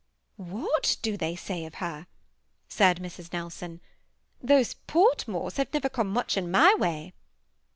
"What do they say of her?" said Mrs. Nelson; "those Fortmores have never come much in my way."